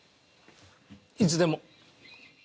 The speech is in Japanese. いつでも。